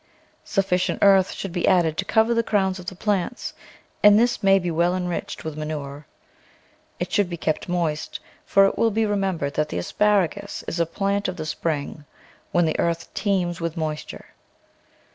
Sufficient earth should be added to cover the crowns of the plants, and this may be well enriched with manure. It should be kept moist, for it will be re membered that the asparagus is a plant of the spring, when the earth teems with moisture.